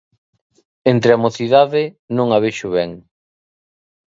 Entre a mocidade non a vexo ben.